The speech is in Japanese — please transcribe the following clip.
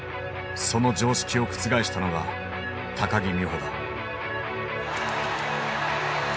その常識を覆したのが木美帆だ。